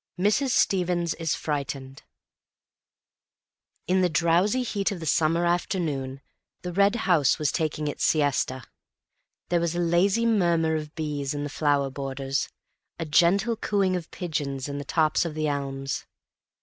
Mrs. Stevens is Frightened In the drowsy heat of the summer afternoon the Red House was taking its siesta. There was a lazy murmur of bees in the flower borders, a gentle cooing of pigeons in the tops of the elms.